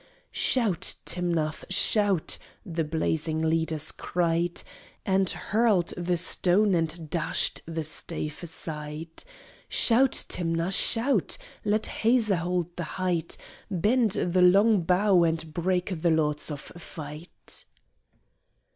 "Shout, Timnath, shout!" the blazing leaders cried, And hurled the stone and dashed the stave aside. "Shout, Timnath, shout! Let Hazor hold the height, Bend the long bow and break the lords of fight!"